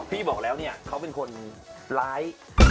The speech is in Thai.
นี่ลักเลยใช่ปะเนี่ย